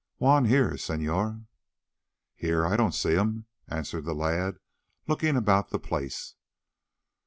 "Juan here, señor." "Here? I don't see him," answered the lad, looking about the place.